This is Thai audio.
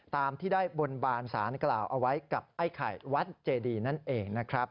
ตามที่ได้บนบานสารกล่าวเอาไว้กับไอ้ไข่วัดเจดีนั่นเองนะครับ